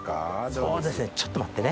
そうですねちょっと待ってね。